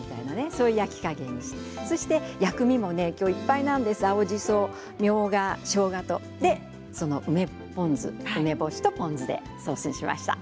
そういう焼き加減にして薬味もきょうはいっぱいなんです青じそ、みょうが、しょうがと梅ポン酢、梅干しとポン酢でソースにしました。